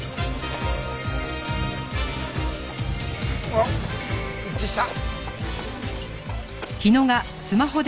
あっ一致した。